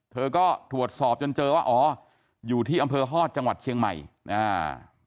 เธอก็ตรวจสอบจนเจอว่าอ๋ออยู่ที่อำเภอฮอตจังหวัดเชียงใหม่อ่า